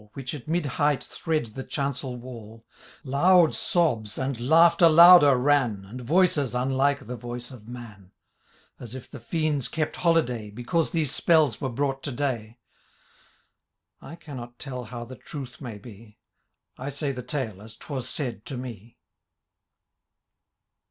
Which at mid height thread the chancel wall, Loud sobs, and laughter louder, ran. And voices unlike the voice of man ; As if the fiends kept holiday, Becaise these spells were brought to day. I cannot tell how the truth may be ; I say the tale as *twas said to me.